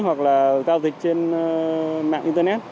hoặc là giao dịch trên mạng internet